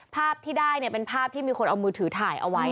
ภาพที่ได้เป็นภาพที่มีคนเอามือถือถ่ายเอาไว้